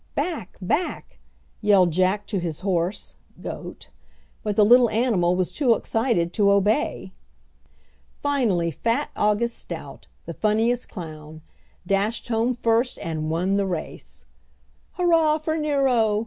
"Back! back!" yelled Jack to his horse (goat), but the little animal was too excited to obey. Finally fat August Stout, the funniest clown: dashed home first and won the race! "Hurrah for Nero!"